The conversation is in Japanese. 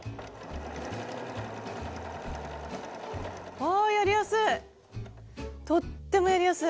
あやりやすい！